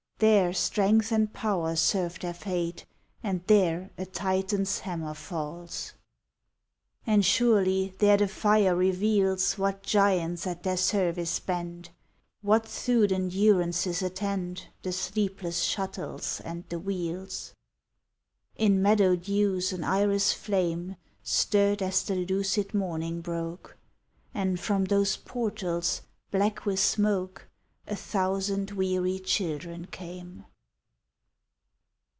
There strength and power serve their fate, And there a Titan s hammer falls. "And surely there the fire reveals What giants at their service bend, What thewed endurances attend The sleepless shuttles and the wheels ...." In meadow dews an irised flame Stirred as the lucid morning broke, And from those portals, black with smoke, A thousand weary children came